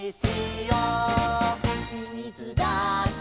「みみずだって」